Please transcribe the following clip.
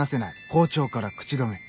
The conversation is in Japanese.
校長から口止め」。